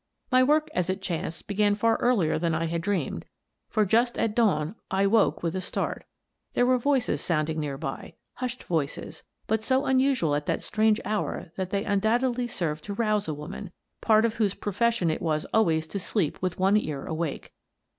My work, as it chanced, began far earlier than I had dreamed, for just at dawn I woke with a start. There were voices sounding near by — hushed voices, but so unusual at that strange hour that they undoubtedly served to rouse a woman, part of whose profession it was always to sleep with one ear awake.